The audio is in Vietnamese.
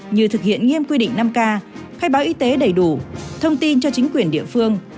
như thực hiện nghiêm quy định năm k khai báo y tế đầy đủ thông tin cho chính quyền địa phương